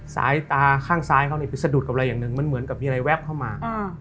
สายตาข้างซ้ายเขาไปสะดุดกับอะไรอย่างหนึ่งมันเหมือนกับมีอะไรแวบเข้ามา